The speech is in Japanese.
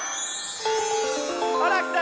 ほらきた。